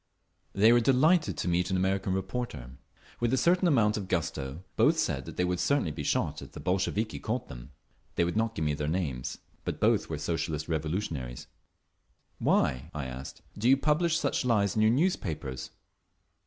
They were delighted to meet an American reporter. With a certain amount of gusto both said that they would certainly be shot if the Bolsheviki caught them. They would not give me their names, but both were Socialist Revolutionaries…. "Why," I asked, "do you publish such lies in your newspapers?"